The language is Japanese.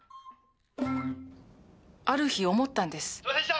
ある日思ったんです。